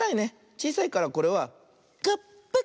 ちいさいからこれはコップ。